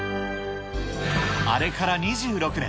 あれから２６年。